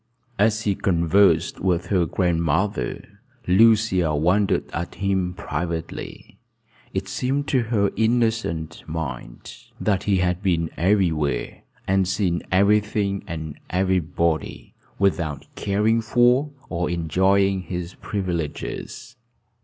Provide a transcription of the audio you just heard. As he conversed with her grandmother, Lucia wondered at him privately. It seemed to her innocent mind that he had been everywhere, and seen every thing and everybody, without caring for or enjoying his privileges.